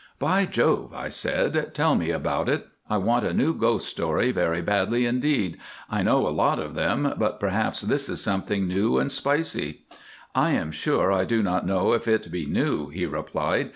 "By Jove," I said, "tell me about it; I want a new ghost tale very badly indeed. I know a lot of them, but perhaps this is something new and spicy." "I am sure I do not know if it be new," he replied.